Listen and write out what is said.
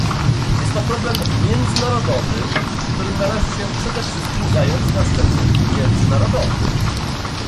Jest to problem międzynarodowy, którym należy się przede wszystkim zająć na szczeblu międzynarodowym